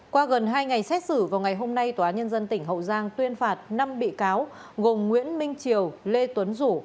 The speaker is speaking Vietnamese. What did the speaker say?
qua gần hai ngày xét xử vào ngày hôm nay tòa nhân dân tỉnh hậu giang tuyên phạt năm bị cáo gồm nguyễn minh triều lê tuấn rủ